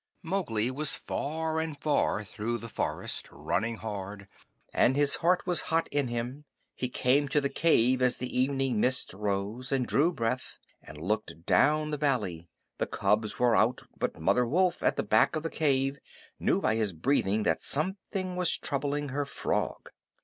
Mowgli was far and far through the forest, running hard, and his heart was hot in him. He came to the cave as the evening mist rose, and drew breath, and looked down the valley. The cubs were out, but Mother Wolf, at the back of the cave, knew by his breathing that something was troubling her frog.